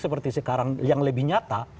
seperti sekarang yang lebih nyata